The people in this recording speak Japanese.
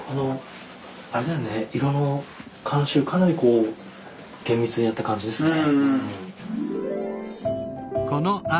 色の監修かなりこう厳密にやった感じですね。